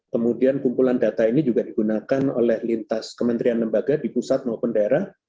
kemudian kumpulan data ini juga digunakan oleh lintas kementerian lembaga di pusat maupun daerah